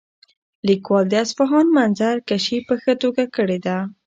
لیکوال د اصفهان منظرکشي په ښه توګه کړې ده.